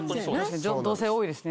同性多いですね